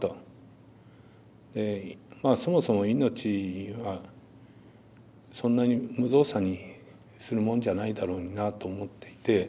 そもそも命はそんなに無造作にするもんじゃないだろうになと思っていて。